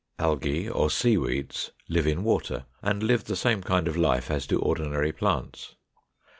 Algæ, or Seaweeds, live in water, and live the same kind of life as do ordinary plants.